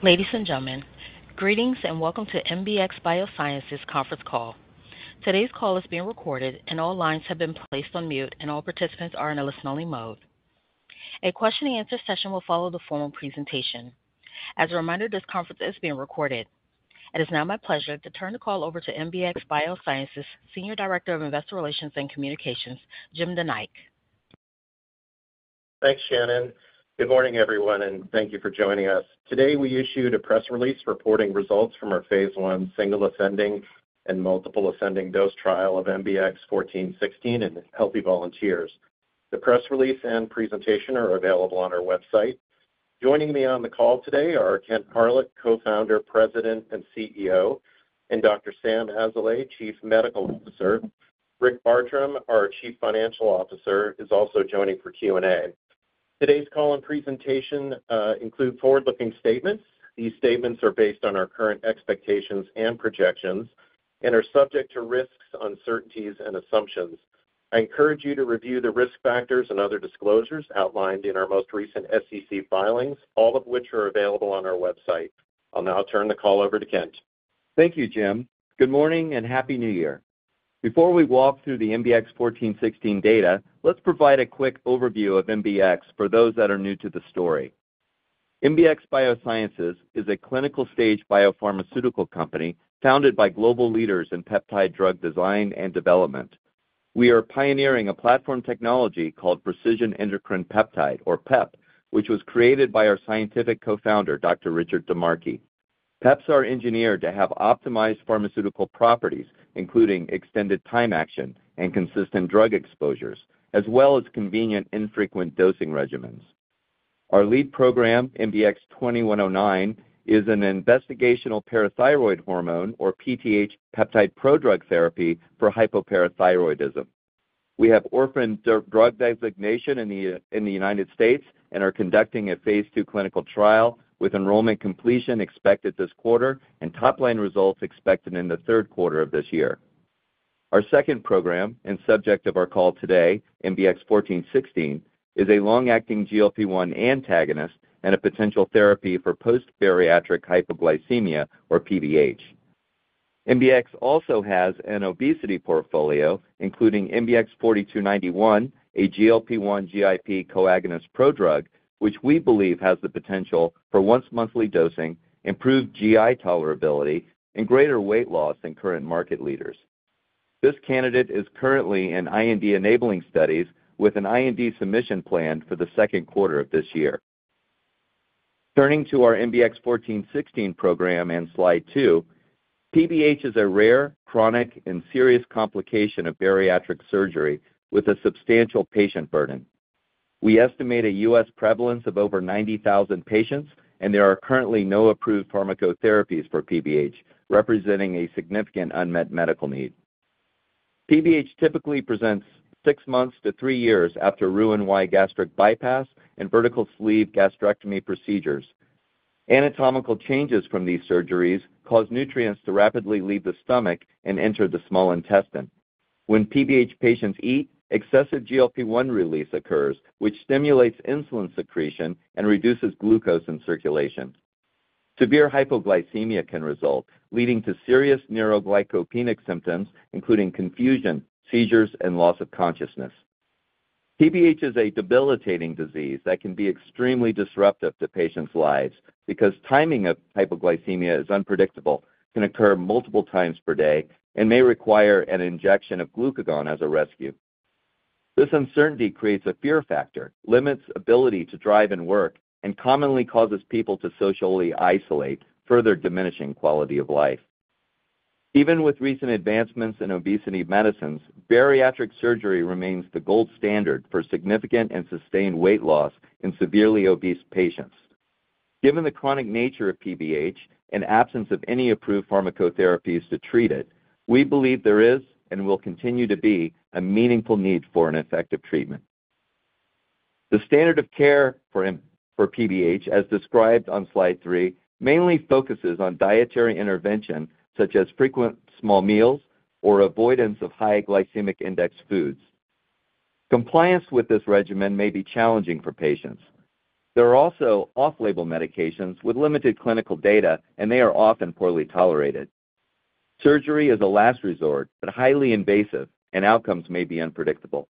Ladies and gentlemen, greetings and welcome to MBX Biosciences conference call. Today's call is being recorded, and all lines have been placed on mute, and all participants are in a listen-only mode. A question-and-answer session will follow the formal presentation. As a reminder, this conference is being recorded. It is now my pleasure to turn the call over to MBX Biosciences Senior Director of Investor Relations and Communications, Jim DeNike. Thanks, Shannon. Good morning, everyone, and thank you for joining us. Today, we issued a press release reporting results from our phase 1 single-ascending and multiple-ascending dose trial of MBX 1416 in healthy volunteers. The press release and presentation are available on our website. Joining me on the call today are Kent Hawryluk, Co-Founder, President, and CEO, and Dr. Sam Azoulay, Chief Medical Officer. Rick Bartram, our Chief Financial Officer, is also joining for Q&A. Today's call and presentation include forward-looking statements. These statements are based on our current expectations and projections and are subject to risks, uncertainties, and assumptions. I encourage you to review the risk factors and other disclosures outlined in our most recent SEC filings, all of which are available on our website. I'll now turn the call over to Kent. Thank you, Jim. Good morning and happy New Year. Before we walk through the MBX 1416 data, let's provide a quick overview of MBX for those that are new to the story. MBX Biosciences is a clinical-stage biopharmaceutical company founded by global leaders in peptide drug design and development. We are pioneering a platform technology called Precision Endocrine Peptide, or PEP, which was created by our scientific co-founder, Dr. Richard DiMarchi. PEPs are engineered to have optimized pharmaceutical properties, including extended time action and consistent drug exposures, as well as convenient, infrequent dosing regimens. Our lead program, MBX 2109, is an investigational parathyroid hormone, or PTH, peptide pro-drug therapy for hypoparathyroidism. We have orphan drug designation in the United States and are conducting a phase II clinical trial with enrollment completion expected this quarter and top-line results expected in the third quarter of this year. Our second program, and subject of our call today, MBX 1416, is a long-acting GLP-1 antagonist and a potential therapy for post-bariatric hypoglycemia, or PBH. MBX also has an obesity portfolio, including MBX 4291, a GLP-1/GIP coagonist pro-drug, which we believe has the potential for once-monthly dosing, improved GI tolerability, and greater weight loss than current market leaders. This candidate is currently in IND-enabling studies with an IND submission planned for the second quarter of this year. Turning to our MBX 1416 program and slide two, PBH is a rare, chronic, and serious complication of bariatric surgery with a substantial patient burden. We estimate a U.S. prevalence of over 90,000 patients, and there are currently no approved pharmacotherapies for PBH, representing a significant unmet medical need. PBH typically presents six months to three years after Roux-en-Y gastric bypass and vertical sleeve gastrectomy procedures. Anatomical changes from these surgeries cause nutrients to rapidly leave the stomach and enter the small intestine. When PBH patients eat, excessive GLP-1 release occurs, which stimulates insulin secretion and reduces glucose in circulation. Severe hypoglycemia can result, leading to serious neuroglycopenic symptoms, including confusion, seizures, and loss of consciousness. PBH is a debilitating disease that can be extremely disruptive to patients' lives because timing of hypoglycemia is unpredictable, can occur multiple times per day, and may require an injection of glucagon as a rescue. This uncertainty creates a fear factor, limits ability to drive and work, and commonly causes people to socially isolate, further diminishing quality of life. Even with recent advancements in obesity medicines, bariatric surgery remains the gold standard for significant and sustained weight loss in severely obese patients. Given the chronic nature of PBH and absence of any approved pharmacotherapies to treat it, we believe there is, and will continue to be, a meaningful need for an effective treatment. The standard of care for PBH, as described on slide three, mainly focuses on dietary intervention such as frequent small meals or avoidance of high glycemic index foods. Compliance with this regimen may be challenging for patients. There are also off-label medications with limited clinical data, and they are often poorly tolerated. Surgery is a last resort but highly invasive, and outcomes may be unpredictable.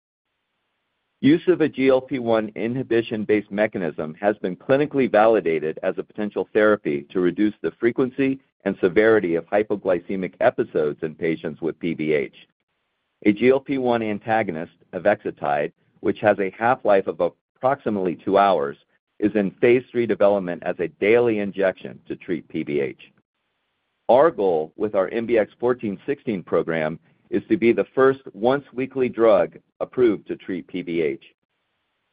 Use of a GLP-1 inhibition-based mechanism has been clinically validated as a potential therapy to reduce the frequency and severity of hypoglycemic episodes in patients with PBH. A GLP-1 antagonist, avexitide, which has a half-life of approximately two hours, is in phase III development as a daily injection to treat PBH. Our goal with our MBX 1416 program is to be the first once-weekly drug approved to treat PBH.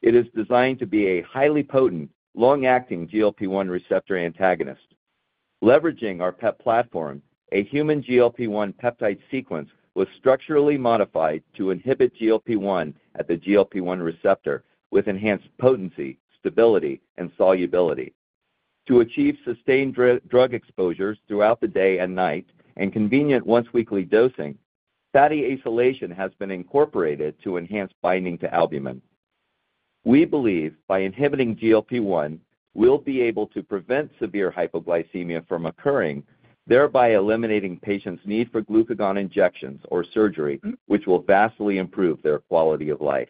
It is designed to be a highly potent, long-acting GLP-1 receptor antagonist. Leveraging our PEP platform, a human GLP-1 peptide sequence was structurally modified to inhibit GLP-1 at the GLP-1 receptor with enhanced potency, stability, and solubility. To achieve sustained drug exposures throughout the day and night and convenient once-weekly dosing, fatty acylation has been incorporated to enhance binding to albumin. We believe by inhibiting GLP-1, we'll be able to prevent severe hypoglycemia from occurring, thereby eliminating patients' need for glucagon injections or surgery, which will vastly improve their quality of life.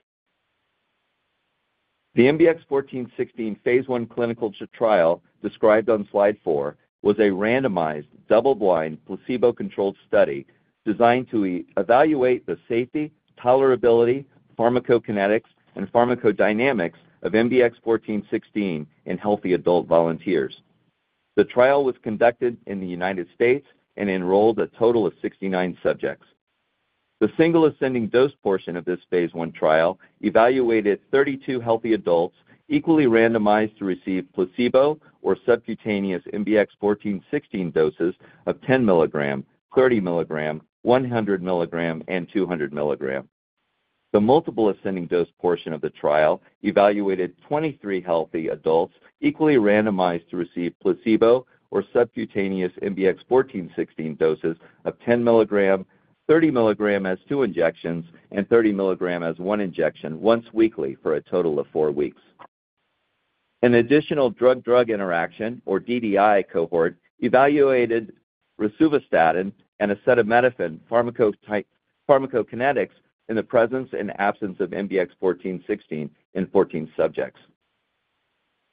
The MBX 1416 phase I clinical trial, described on slide four, was a randomized, double-blind, placebo-controlled study designed to evaluate the safety, tolerability, pharmacokinetics, and pharmacodynamics of MBX 1416 in healthy adult volunteers. The trial was conducted in the United States and enrolled a total of 69 subjects. The single-ascending dose portion of this phase I trial evaluated 32 healthy adults equally randomized to receive placebo or subcutaneous MBX 1416 doses of 10 milligram, 30 milligram, 100 milligram, and 200 milligram. The multiple-ascending dose portion of the trial evaluated 23 healthy adults equally randomized to receive placebo or subcutaneous MBX 1416 doses of 10 milligram, 30 milligram as two injections, and 30 milligram as one injection once weekly for a total of four weeks. An additional drug-drug interaction, or DDI, cohort evaluated rosuvastatin and acetaminophen pharmacokinetics in the presence and absence of MBX 1416 in 14 subjects.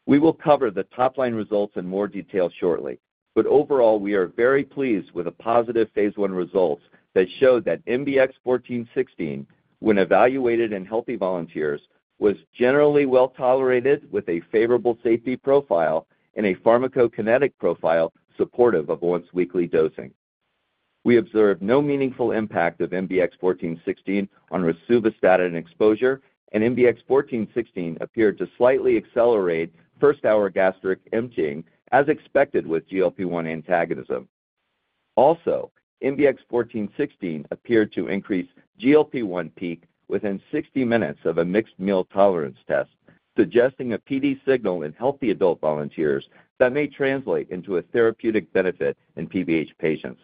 We will cover the top-line results in more detail shortly, but overall, we are very pleased with the positive phase I results that showed that MBX 1416, when evaluated in healthy volunteers, was generally well tolerated with a favorable safety profile and a pharmacokinetic profile supportive of once-weekly dosing. We observed no meaningful impact of MBX 1416 on rosuvastatin exposure, and MBX 1416 appeared to slightly accelerate first-hour gastric emptying, as expected with GLP-1 antagonism. Also, MBX 1416 appeared to increase GLP-1 peak within 60 minutes of a mixed meal tolerance test, suggesting a PD signal in healthy adult volunteers that may translate into a therapeutic benefit in PBH patients.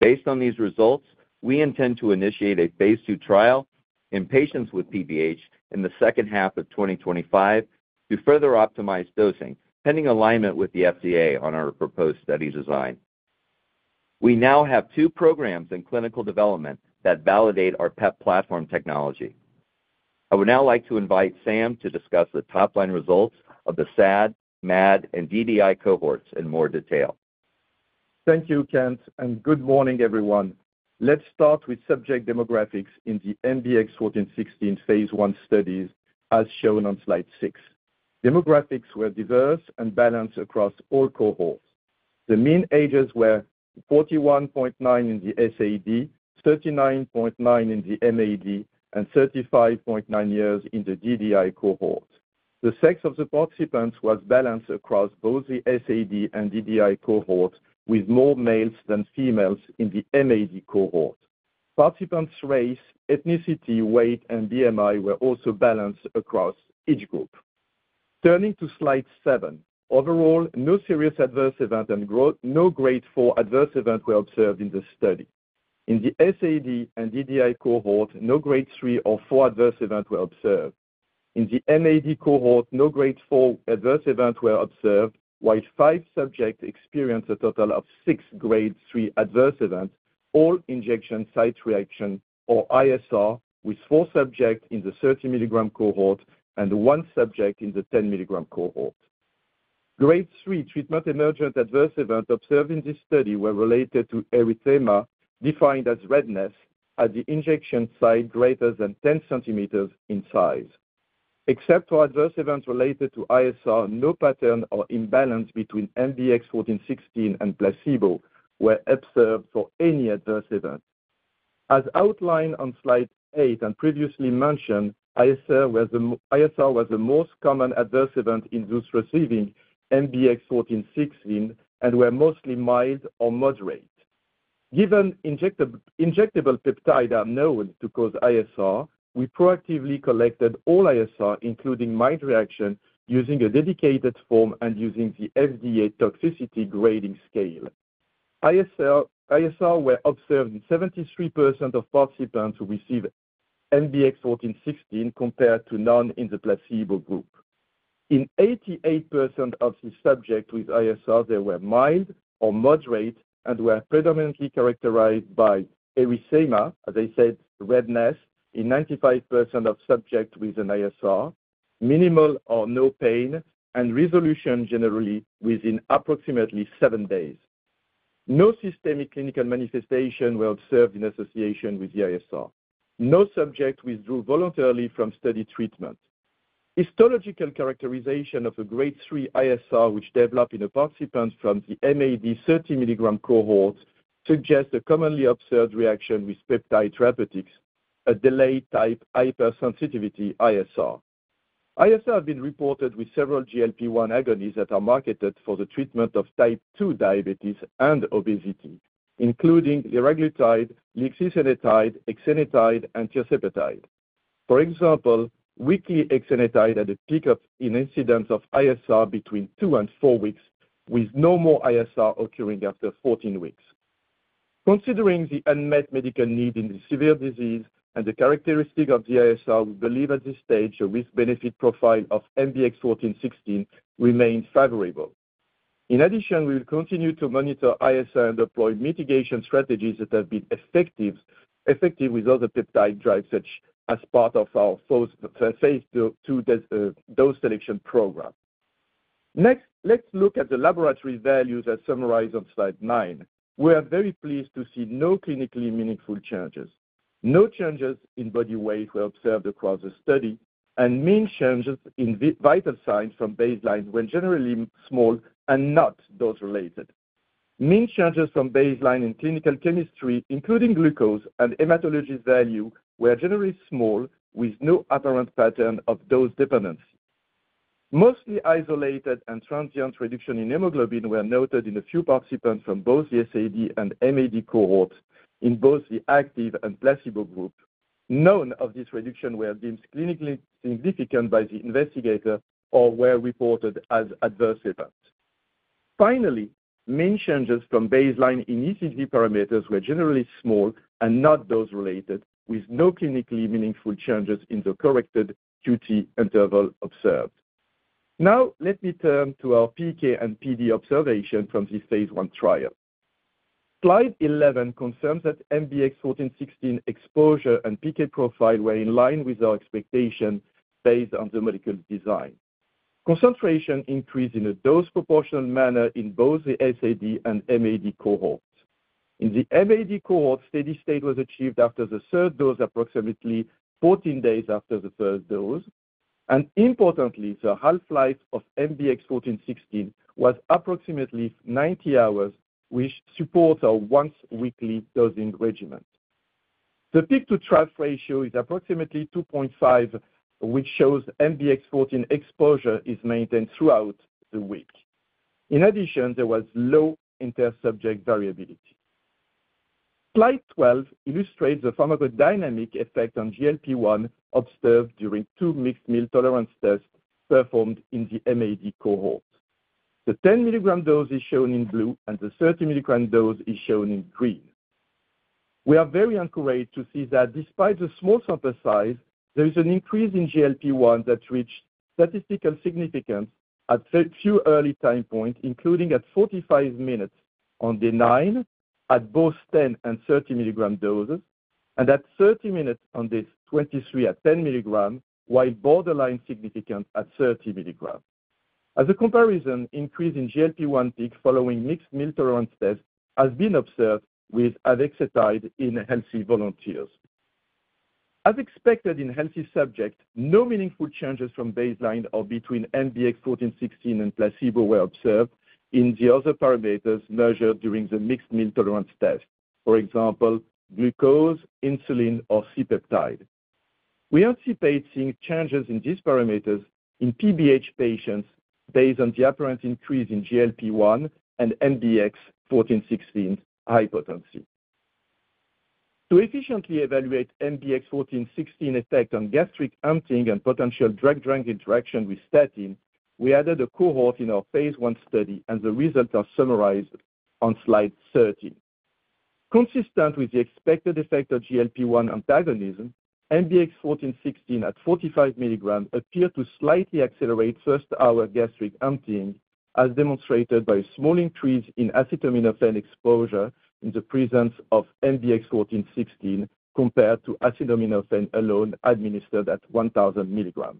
Based on these results, we intend to initiate a phase II trial in patients with PBH in the second half of 2025 to further optimize dosing, pending alignment with the FDA on our proposed study design. We now have two programs in clinical development that validate our PEP platform technology. I would now like to invite Sam to discuss the top-line results of the SAD, MAD, and DDI cohorts in more detail. Thank you, Kent, and good morning, everyone. Let's start with subject demographics in the MBX 1416 phase I studies, as shown on slide six. Demographics were diverse and balanced across all cohorts. The mean ages were 41.9 in the SAD, 39.9 in the MAD, and 35.9 years in the DDI cohort. The sex of the participants was balanced across both the SAD and DDI cohorts, with more males than females in the MAD cohort. Participants' race, ethnicity, weight, and BMI were also balanced across each group. Turning to slide seven, overall, no serious adverse event and no grade 4 adverse event were observed in the study. In the SAD and DDI cohort, no grade 3 or 4 adverse events were observed. In the MAD cohort, no grade 4 adverse events were observed, while five subjects experienced a total of six grade 3 adverse events, all injection site reaction, or ISR, with four subjects in the 30 mg cohort and one subject in the 10 mg cohort. Grade 3 treatment-emergent adverse events observed in this study were related to erythema, defined as redness, at the injection site greater than 10 cm in size. Except for adverse events related to ISR, no pattern or imbalance between MBX 1416 and placebo were observed for any adverse event. As outlined on slide eight and previously mentioned, ISR was the most common adverse event incurred receiving MBX 1416 and were mostly mild or moderate. Given injectable peptides are known to cause ISR, we proactively collected all ISR, including mild reaction, using a dedicated form and using the FDA toxicity grading scale. ISRs were observed in 73% of participants who received MBX 1416 compared to none in the placebo group. In 88% of the subjects with ISR, they were mild or moderate and were predominantly characterized by erythema, as I said, redness, in 95% of subjects with an ISR, minimal or no pain, and resolution generally within approximately seven days. No systemic clinical manifestation was observed in association with the ISR. No subjects withdrew voluntarily from study treatment. Histological characterization of a grade 3 ISR, which developed in a participant from the MAD 30 mg cohort, suggests a commonly observed reaction with peptide therapeutics, a delayed-type hypersensitivity ISR. ISR has been reported with several GLP-1 agonists that are marketed for the treatment of type 2 diabetes and obesity, including liraglutide, lixisenatide, exenatide, and tirzepatide. For example, weekly exenatide had a peak of incidence of ISR between two and four weeks, with no more ISR occurring after 14 weeks. Considering the unmet medical need in the severe disease and the characteristics of the ISR, we believe at this stage the risk-benefit profile of MBX 1416 remains favorable. In addition, we will continue to monitor ISR and deploy mitigation strategies that have been effective with other peptide drugs as part of our phase II dose selection program. Next, let's look at the laboratory values as summarized on slide nine. We are very pleased to see no clinically meaningful changes. No changes in body weight were observed across the study, and mean changes in vital signs from baseline were generally small and not dose-related. Mean changes from baseline in clinical chemistry, including glucose and hematology value, were generally small, with no apparent pattern of dose dependence. Mostly isolated and transient reduction in hemoglobin were noted in a few participants from both the SAD and MAD cohorts in both the active and placebo group. None of these reductions were deemed clinically significant by the investigator or were reported as adverse events. Finally, mean changes from baseline in ECG parameters were generally small and not dose-related, with no clinically meaningful changes in the corrected QT interval observed. Now, let me turn to our PK and PD observation from the phase I trial. Slide 11 confirms that MBX 1416 exposure and PK profile were in line with our expectation based on the molecule design. Concentration increased in a dose-proportional manner in both the SAD and MAD cohorts. In the MAD cohort, steady state was achieved after the third dose, approximately 14 days after the third dose. Importantly, the half-life of MBX 1416 was approximately 90 hours, which supports our once-weekly dosing regimen. The peak-to-trough ratio is approximately 2.5, which shows MBX 1416 exposure is maintained throughout the week. In addition, there was low inter-subject variability. Slide 12 illustrates the pharmacodynamic effect on GLP-1 observed during two mixed meal tolerance tests performed in the MAD cohort. The 10 mg dose is shown in blue, and the 30 mg dose is shown in green. We are very encouraged to see that despite the small sample size, there is an increase in GLP-1 that reached statistical significance at a few early time points, including at 45 minutes on day nine at both 10 mg and 30 mg doses, and at 30 minutes on day 23 at 10 mg, while borderline significant at 30 mg. As a comparison, increase in GLP-1 peak following mixed meal tolerance tests has been observed with Avexitide in healthy volunteers. As expected in healthy subjects, no meaningful changes from baseline or between MBX 1416 and placebo were observed in the other parameters measured during the mixed meal tolerance test, for example, glucose, insulin, or C-peptide. We are anticipating changes in these parameters in PBH patients based on the apparent increase in GLP-1 and MBX 1416 hypoglycemia. To efficiently evaluate MBX 1416 effect on gastric emptying and potential drug-drug interaction with statin, we added a cohort in our phase I study, and the results are summarized on slide 13. Consistent with the expected effect of GLP-1 antagonism, MBX 1416 at 45 mg appeared to slightly accelerate first-hour gastric emptying, as demonstrated by a small increase in acetaminophen exposure in the presence of MBX 1416 compared to acetaminophen alone administered at 1,000 mg.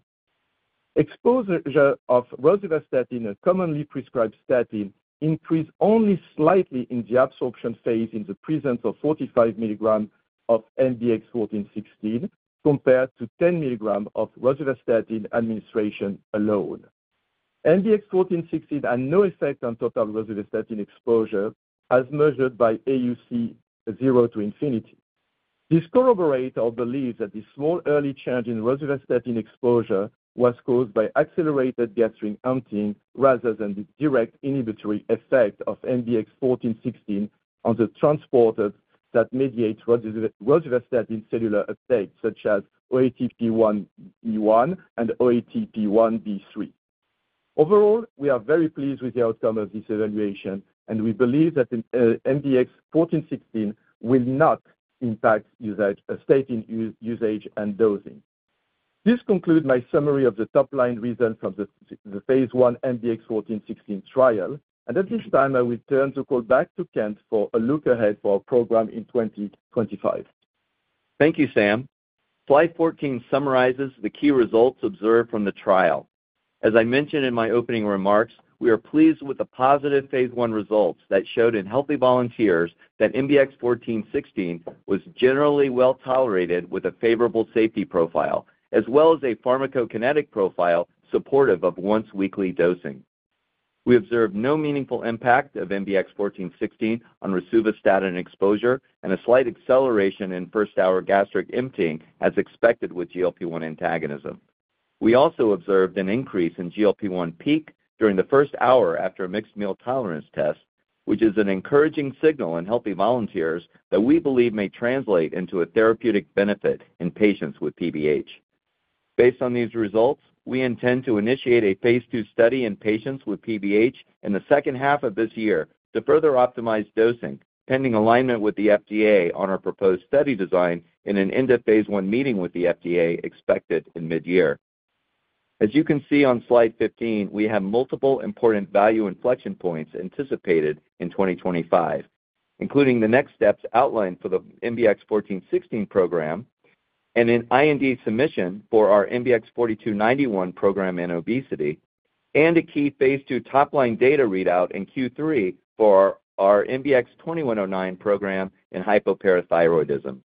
Exposure of rosuvastatin, a commonly prescribed statin, increased only slightly in the absorption phase in the presence of 45 mg of MBX 1416 compared to 10 mg of rosuvastatin administration alone. MBX 1416 had no effect on total rosuvastatin exposure, as measured by AUC 0 to infinity. This corroborates our belief that the small early change in rosuvastatin exposure was caused by accelerated gastric emptying rather than the direct inhibitory effect of MBX 1416 on the transporters that mediate rosuvastatin cellular uptake, such as OATP1B1 and OATP1B3. Overall, we are very pleased with the outcome of this evaluation, and we believe that MBX 1416 will not impact usage and dosing. This concludes my summary of the top-line results from the phase I MBX 1416 trial, and at this time, I will turn the call back to Kent for a look ahead for our program in 2025. Thank you, Sam. Slide 14 summarizes the key results observed from the trial. As I mentioned in my opening remarks, we are pleased with the positive phase I results that showed in healthy volunteers that MBX 1416 was generally well tolerated with a favorable safety profile, as well as a pharmacokinetic profile supportive of once-weekly dosing. We observed no meaningful impact of MBX 1416 on rosuvastatin exposure and a slight acceleration in first-hour gastric emptying, as expected with GLP-1 antagonism. We also observed an increase in GLP-1 peak during the first hour after a mixed meal tolerance test, which is an encouraging signal in healthy volunteers that we believe may translate into a therapeutic benefit in patients with PBH. Based on these results, we intend to initiate a phase II study in patients with PBH in the second half of this year to further optimize dosing, pending alignment with the FDA on our proposed study design in an end-of-phase I meeting with the FDA expected in mid-year. As you can see on slide 15, we have multiple important value inflection points anticipated in 2025, including the next steps outlined for the MBX 1416 program and an IND submission for our MBX 4291 program in obesity, and a key phase II top-line data readout in Q3 for our MBX 2109 program in hypoparathyroidism.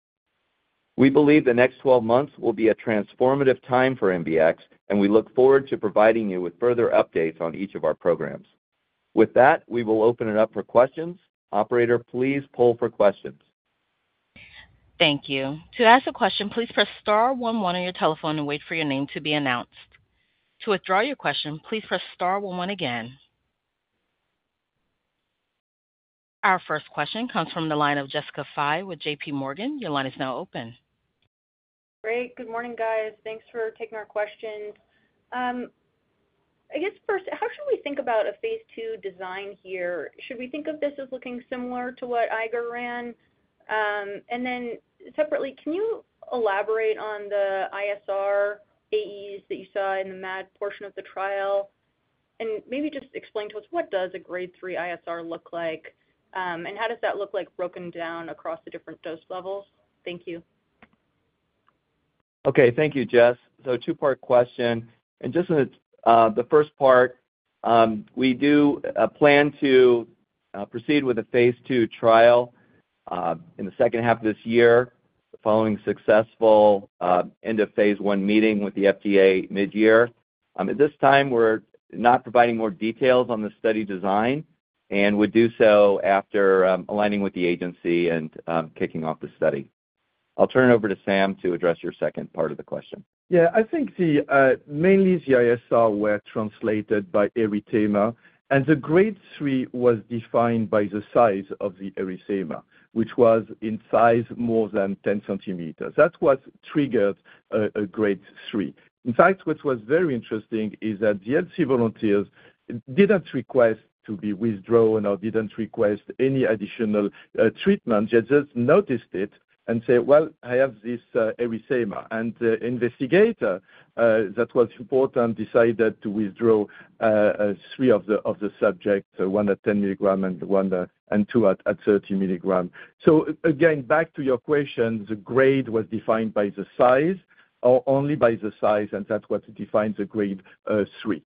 We believe the next 12 months will be a transformative time for MBX, and we look forward to providing you with further updates on each of our programs. With that, we will open it up for questions. Operator, please poll for questions. Thank you. To ask a question, please press star 11 on your telephone and wait for your name to be announced. To withdraw your question, please press star 11 again. Our first question comes from the line of Jessica Fye with JPMorgan. Your line is now open. Great. Good morning, guys. Thanks for taking our questions. I guess first, how should we think about a phase II design here? Should we think of this as looking similar to what Eiger ran? And then separately, can you elaborate on the ISR AEs that you saw in the MAD portion of the trial? And maybe just explain to us, what does a grade 3 ISR look like, and how does that look like broken down across the different dose levels? Thank you. Okay. Thank you, Jess. So two-part question. And just the first part, we do plan to proceed with a phase II trial in the second half of this year following successful end-of-phase I meeting with the FDA mid-year. At this time, we're not providing more details on the study design, and we'll do so after aligning with the agency and kicking off the study. I'll turn it over to Sam to address your second part of the question. Yeah. I think mainly the ISRs were manifested by erythema, and the grade 3 was defined by the size of the erythema, which was in size more than 10cm. That's what triggered a grade 3. In fact, what was very interesting is that the healthy volunteers didn't request to be withdrawn or didn't request any additional treatment. They just noticed it and said, "Well, I have this erythema." And the investigator thought it was important decided to withdraw three of the subjects, one at 10 mg and two at 30 mg. So again, back to your question, the grade was defined by the size or only by the size, and that's what defines the grade 3.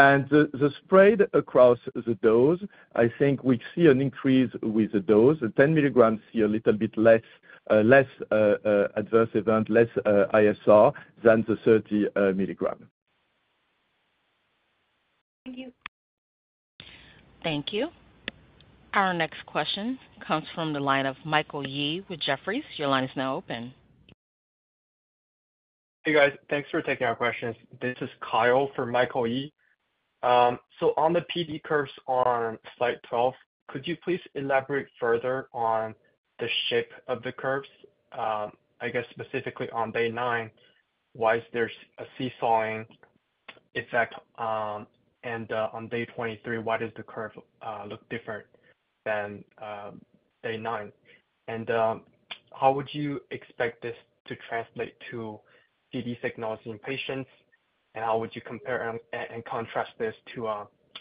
And the spread across the dose, I think we see an increase with the dose. The 10 mg see a little bit less adverse event, less ISR than the 30 mg. Thank you. Thank you. Our next question comes from the line of Michael Yee with Jefferies. Your line is now open. Hey, guys. Thanks for taking our questions. This is Kyle from Michael Yee. So on the PD curves on slide 12, could you please elaborate further on the shape of the curves? I guess specifically on day nine, why is there a seesawing effect? And on day 23, why does the curve look different than day nine? And how would you expect this to translate to PD signals in patients? And how would you compare and contrast this to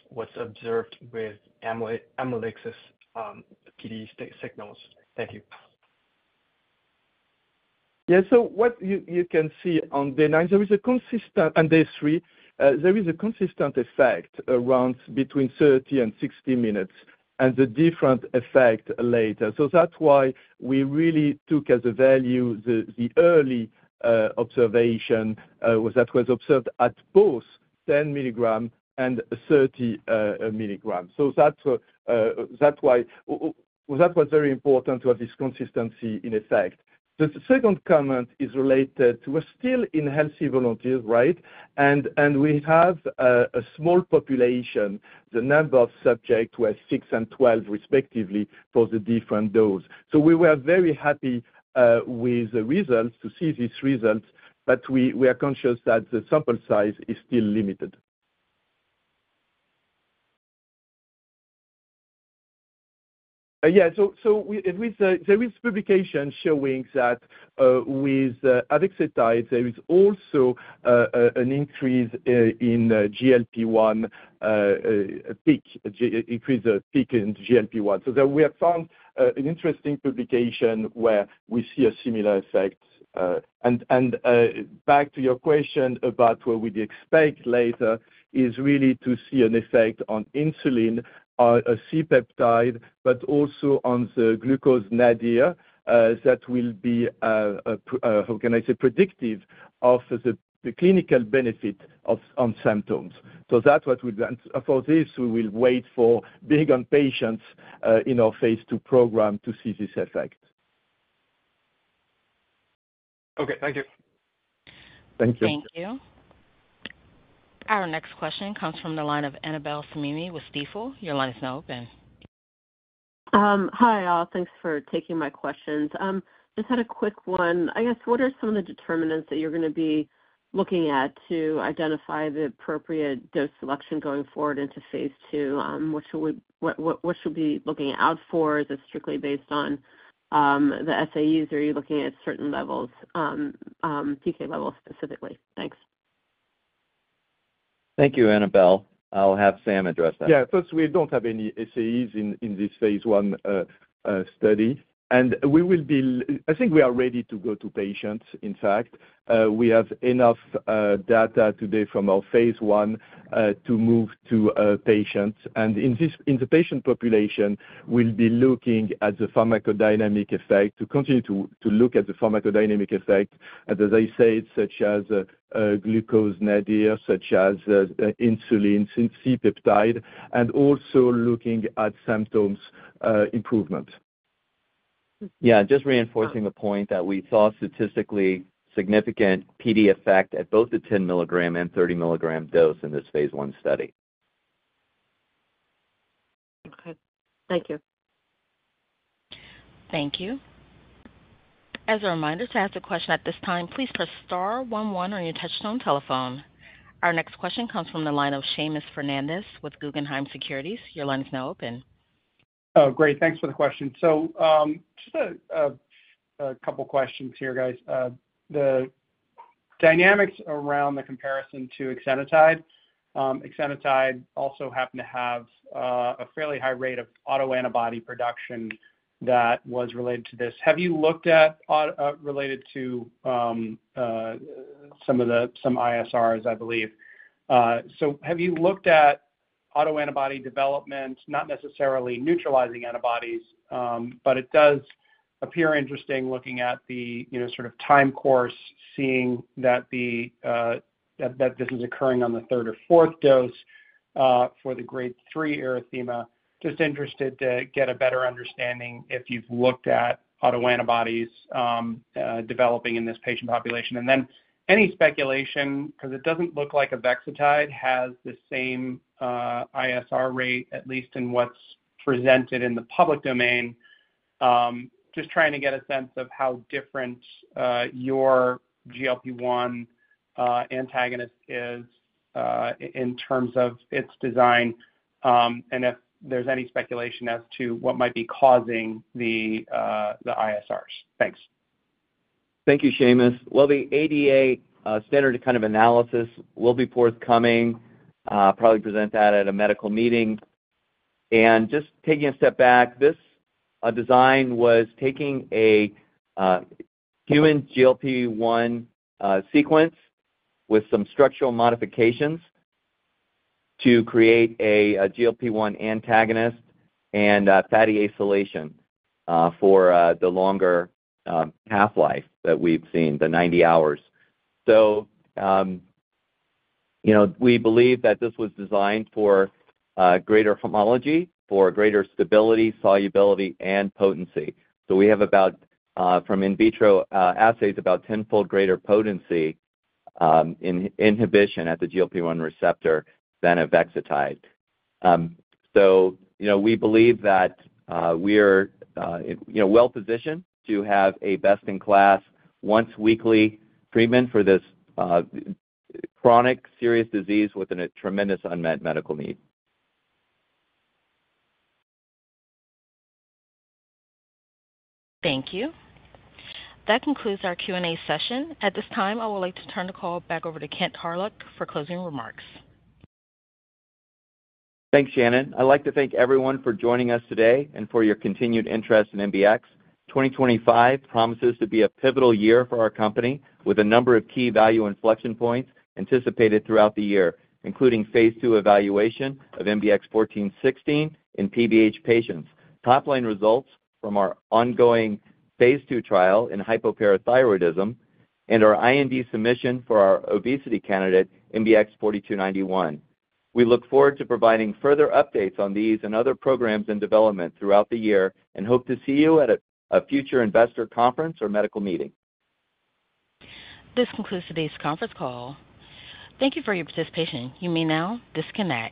what's observed with amylase PD signals? Thank you. Yeah. So what you can see on day nine, there is a consistent effect on day three, there is a consistent effect around between 30 minutes and 60 minutes and the different effect later. So that's why we really took as a value the early observation that was observed at both 10 mg and 30 mg. So that's why that was very important to have this consistency in effect. The second comment is related to, we're still in healthy volunteers, right? And we have a small population. The number of subjects were 6 and 12, respectively, for the different dose. So we were very happy with the results to see these results, but we are conscious that the sample size is still limited. Yeah. So there is publication showing that with avexitide, there is also an increase in GLP-1 peak, increase of peak in GLP-1. So we have found an interesting publication where we see a similar effect. And back to your question about what we expect later is really to see an effect on insulin, on C-peptide, but also on the glucose nadir that will be, how can I say, predictive of the clinical benefit on symptoms. So that's what we, and for this, we will wait for data on patients in our phase II program to see this effect. Okay. Thank you. Thank you. Thank you. Our next question comes from the line of Annabel Samimy with Stifel. Your line is now open. Hi, all. Thanks for taking my questions. Just had a quick one. I guess, what are some of the determinants that you're going to be looking at to identify the appropriate dose selection going forward into phase II? What should we be looking out for? Is it strictly based on the SAEs, or are you looking at certain levels, PK levels specifically? Thanks. Thank you, Annabelle. I'll have Sam address that. Yeah. First, we don't have any SAEs in this phase I study. And I think we are ready to go to patients, in fact. We have enough data today from our phase I to move to patients. And in the patient population, we'll be looking at the pharmacodynamic effect to continue to look at the pharmacodynamic effect, such as glucose nadir, such as insulin, C-peptide, and also looking at symptoms improvement. Yeah. Just reinforcing the point that we saw statistically significant PD effect at both the 10 mg and 30 mg dose in this phase I study. Okay. Thank you. Thank you. As a reminder, to ask a question at this time, please press star 11 on your touch-tone telephone. Our next question comes from the line of Seamus Fernandez with Guggenheim Securities. Your line is now open. Oh, great. Thanks for the question, so just a couple of questions here, guys. The dynamics around the comparison to exenatide. Exenatide also happened to have a fairly high rate of autoantibody production that was related to this. Have you looked at related to some of the ISRs, I believe, so have you looked at autoantibody development, not necessarily neutralizing antibodies, but it does appear interesting looking at the sort of time course, seeing that this is occurring on the third or fourth dose for the Grade 3 erythema. Just interested to get a better understanding if you've looked at autoantibodies developing in this patient population, and then any speculation, because it doesn't look like Avexitide has the same ISR rate, at least in what's presented in the public domain. Just trying to get a sense of how different your GLP-1 antagonist is in terms of its design and if there's any speculation as to what might be causing the ISRs. Thanks. Thank you, Seamus. The ADA standard kind of analysis will be forthcoming. Probably present that at a medical meeting. Just taking a step back, this design was taking a human GLP-1 sequence with some structural modifications to create a GLP-1 antagonist and fatty acylation for the longer half-life that we've seen, the 90 hours. We believe that this was designed for greater homology, for greater stability, solubility, and potency. We have about, from in vitro assays, about 10-fold greater potency in inhibition at the GLP-1 receptor than Avexitide. We believe that we are well-positioned to have a best-in-class once-weekly treatment for this chronic serious disease with a tremendous unmet medical need. Thank you. That concludes our Q&A session. At this time, I would like to turn the call back over to Kent Hawryluk for closing remarks. Thanks, Shannon. I'd like to thank everyone for joining us today and for your continued interest in MBX. 2025 promises to be a pivotal year for our company with a number of key value inflection points anticipated throughout the year, including phase II evaluation of MBX 1416 in PBH patients, top-line results from our ongoing phase II trial in hypoparathyroidism, and our IND submission for our obesity candidate, MBX 4291. We look forward to providing further updates on these and other programs in development throughout the year and hope to see you at a future investor conference or medical meeting. This concludes today's conference call. Thank you for your participation. You may now disconnect.